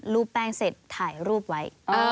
แป้งเสร็จถ่ายรูปไว้